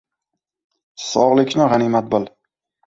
— Sog‘likni g‘animat bil.